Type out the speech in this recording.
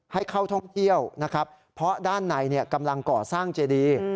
ให้เข้าท่องเที่ยวนะครับเพราะด้านในกำลังก่อสร้างเจดี